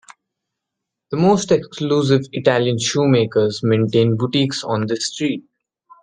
The most exclusive Italian shoemakers maintain boutiques on this street.